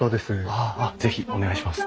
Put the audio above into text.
あっ是非お願いします。